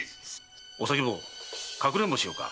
お咲坊かくれんぼしようか。